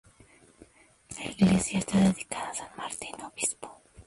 La iglesia está dedicada a san Martín obispo.